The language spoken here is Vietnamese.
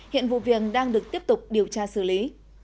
hiện vụ viện đang được tiếp tục điều tra xử lý